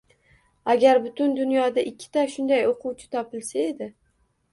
Agar butun dunyoda ikkita shunday o’quvchi topilsa edi.